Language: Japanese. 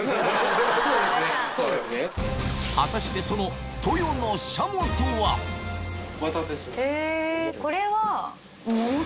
果たしてそのお待たせしました。